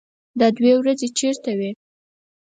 _دا دوې ورځې چېرته وې؟